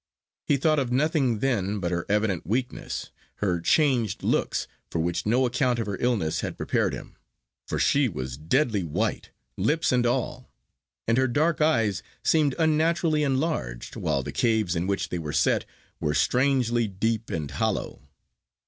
He thought of nothing then but her evident weakness, her changed looks, for which no account of her illness had prepared him. For she was deadly white, lips and all; and her dark eyes seemed unnaturally enlarged, while the caves in which they were set were strangely deep and hollow.